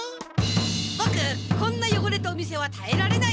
ボクこんなよごれたお店はたえられない！